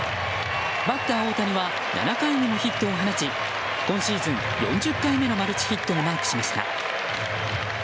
バッター、大谷は７回にもヒットを放ち今シーズン４０回目のマルチヒットをマークしました。